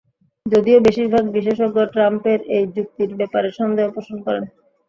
যদিও বেশির ভাগ বিশেষজ্ঞ ট্রাম্পের এই যুক্তির ব্যাপারে সন্দেহ পোষণ করেন।